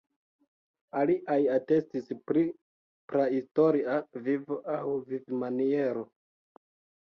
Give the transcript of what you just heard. Aliaj atestis pri prahistoria vivo aŭ vivmaniero.